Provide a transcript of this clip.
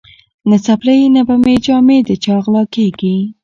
نه څپلۍ نه به جامې د چا غلاکیږي